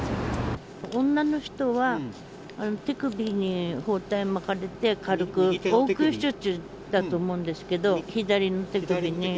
女の人は手首に包帯巻かれて、軽く、応急処置だと思うんですけど、左の手首に。